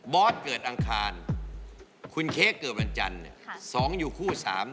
บอสเกิดอังคารคุณเค้กเกิดวันจันทร์สองอยู่คู่สาม